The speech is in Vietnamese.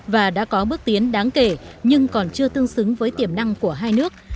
và đã có bước tiến đáng kể nhưng còn chưa tương xứng với tiềm năng của hai nước